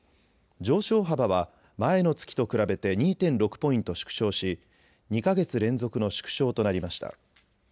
上昇幅は前の月と比べて２．６ポイント縮小し２か月連続の縮小となりました。